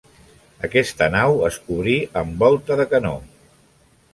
Aquesta nau es cobrí amb volta de canó.